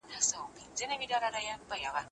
مشران د ژبې سرمايه ده.